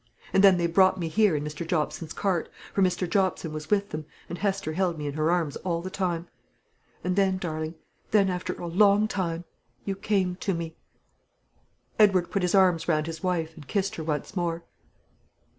And then they brought me here in Mr. Jobson's cart, for Mr. Jobson was with them, and Hester held me in her arms all the time. And then, darling, then after a long time you came to me." Edward put his arms round his wife, and kissed her once more.